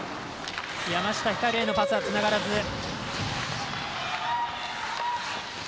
山下光へのパスはつながらず。